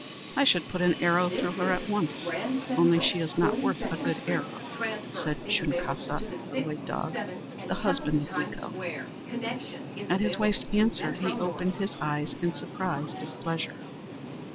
"I should put an arrow through her at once, only she is not worth a good arrow," said Shunkaska, or White Dog, the husband of Weeko. At his wife's answer, he opened his eyes in surprised displeasure.